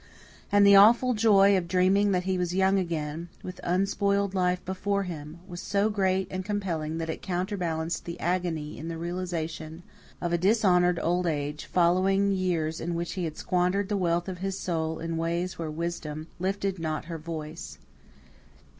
And the awful joy of dreaming that he was young again, with unspoiled life before him, was so great and compelling that it counterbalanced the agony in the realization of a dishonoured old age, following years in which he had squandered the wealth of his soul in ways where Wisdom lifted not her voice.